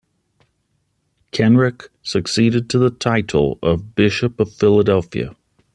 Kenrick succeeded to the title of bishop of Philadelphia.